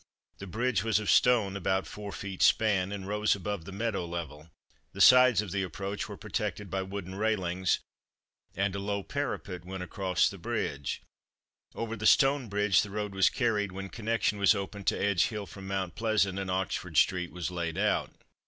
The bridge was of stone of about four feet span, and rose above the meadow level. The sides of the approach were protected by wooden railings, and a low parapet went across the bridge. Over the stone bridge the road was carried when connection was opened to Edge hill from Mount Pleasant, and Oxford street was laid out.